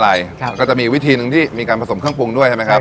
อะไรครับก็จะมีวิธีหนึ่งที่มีการผสมเครื่องปรุงด้วยใช่ไหมครับ